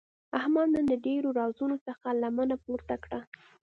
احمد نن د ډېرو رازونو څخه لمنه پورته کړه.